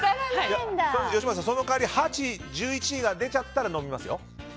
吉村さん、その代わり８位、１１位が出ちゃったら飲みますよ。